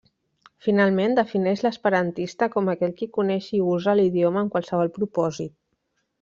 Finalment, defineix l'esperantista com aquell qui coneix i usa l'idioma amb qualsevol propòsit.